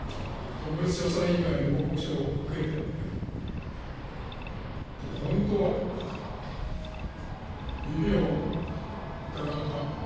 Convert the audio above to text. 特別調査委員会の報告書を受けて、もう本当、耳を疑った。